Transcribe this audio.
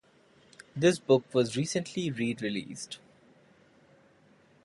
This book was recently re-released.